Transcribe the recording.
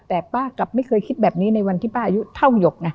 แต่ป้ากลับไม่เคยคิดแบบนี้ในวันที่ป้าอายุเท่าหยกไง